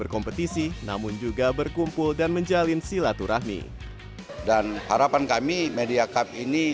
berkompetisi namun juga berkumpul dan menjalin silaturahmi dan harapan kami media cup ini